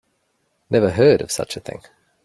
Never heard of such a thing.